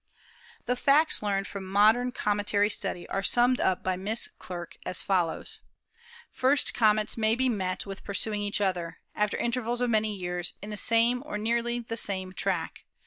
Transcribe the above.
The facts, learned from modern cometary study are summed up by Miss Clerke as follows : "First, comets may be met with pursuing each other, after intervals of many years, in the same, or nearly the same, track; so Fig 34 — Jupiter's Family of Comets.